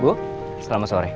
bu selamat sore